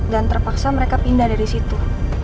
dan terpaksa mereka pindah dari situ